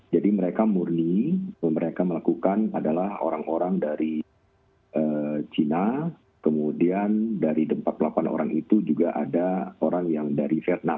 jadi mereka murni mereka melakukan adalah orang orang dari china kemudian dari empat puluh delapan orang itu juga ada orang yang dari vietnam